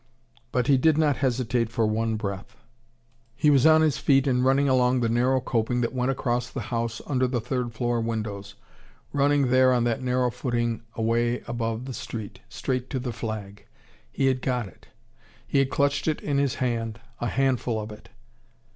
But he did not hesitate for one breath. He was on his feet and running along the narrow coping that went across the house under the third floor windows, running there on that narrow footing away above the street, straight to the flag. He had got it he had clutched it in his hand, a handful of it.